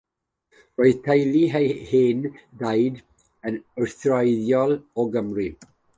Roedd teulu ei hen daid yn wreiddiol o Gymru.